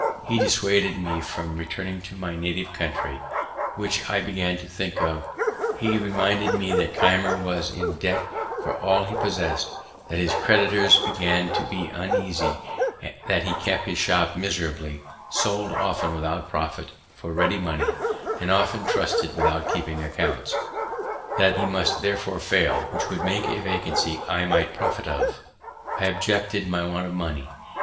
He dissuaded me from returning to my native country, which I began to think of; he reminded me that Keimer was in debt for all he possess'd; that his creditors began to be uneasy; that he kept his shop miserably, sold often without profit for ready money, and often trusted without keeping accounts; that he must therefore fail, which would make a vacancy I might profit of. I objected my want of money.